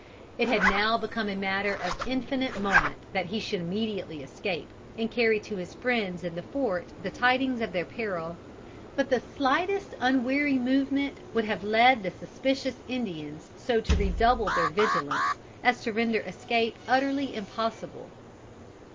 It had now become a matter of infinite moment that he should immediately escape and carry to his friends in the fort the tidings of their peril. But the slightest unwary movement would have led the suspicious Indians so to redouble their vigilance as to render escape utterly impossible.